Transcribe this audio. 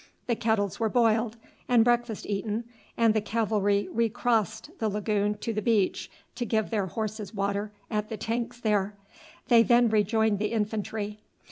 The kettles were boiled and breakfast eaten, and the cavalry recrossed the lagoon to the beach to give their horses water at the tanks there. They then rejoined the infantry.